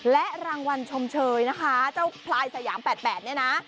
และรางวัลชมเชยนะคะเจ้าพลายสยาม๘๘เนี่ยนะ